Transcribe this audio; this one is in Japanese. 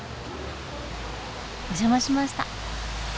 お邪魔しました。